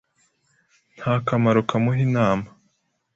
Nta kamaro kumuha inama.